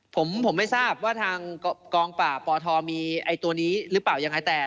ผมไม่ทราบว่าทางกปปมีไอ้ตัวนี้หรือเปล่ายังไง